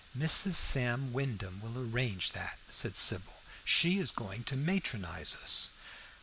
"Mrs. Sam Wyndham will arrange that," said Sybil. "She is going to matronize us."